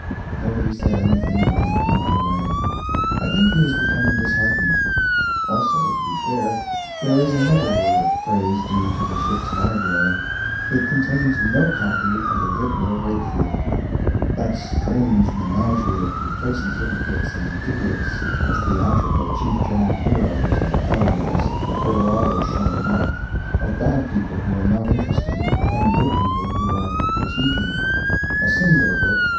Nobody said anything, and the captain went away. I think he is becoming disheartened .... Also, to be fair, there is another word of praise due to this ship's library: it contains no copy of the Vicar of Wakefield, that strange menagerie of complacent hypocrites and idiots, of theatrical cheap john heroes and heroines, who are always showing off, of bad people who are not interesting, and good people who are fatiguing. A singular book.